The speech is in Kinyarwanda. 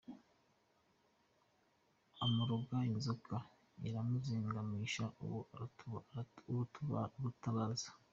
amuroga inzoka iramuzingamisha aba urutaza.